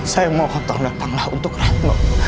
saya mohon tawang datanglah untuk retno